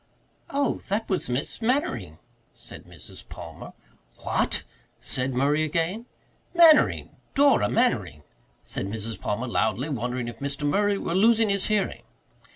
"Oh, that was Miss Mannering," said Mrs. Palmer. "What?" said Murray again. "Mannering Dora Mannering," said Mrs. Palmer loudly, wondering if Mr. Murray were losing his hearing.